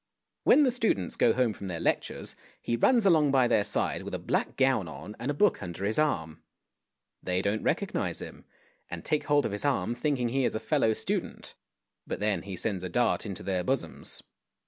When the students go home from their lectures, he runs along by their side with a black gown on and a book under his arm. They don't recognise him, and take hold of his arm thinking he is a fellow student, but then he sends a dart into their bosoms.